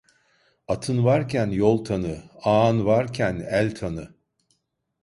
Atın varken yol tanı ağan varken el tanı.